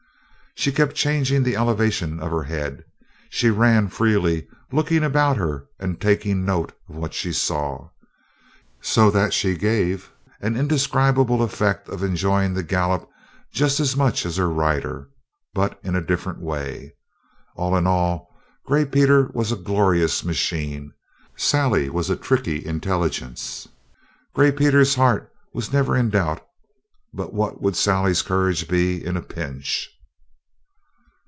She kept changing the elevation of her head. She ran freely, looking about her and taking note of what she saw, so that she gave an indescribable effect of enjoying the gallop just as much as her rider, but in a different way. All in all, Gray Peter was a glorious machine; Sally was a tricky intelligence. Gray Peter's heart was never in doubt, but what would Sally's courage be in a pinch?